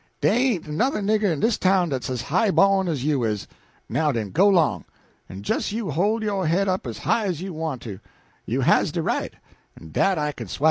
"Dey ain't another nigger in dis town dat's as high bawn as you is. Now den, go 'long! En jes you hold yo' head up as high as you want to you has de right, en dat I kin swah."